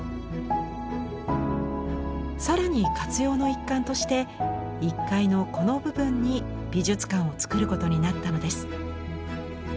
更に活用の一環として１階のこの部分に美術館を造ることになったのです。